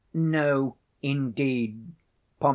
_ No, indeed. _Pom.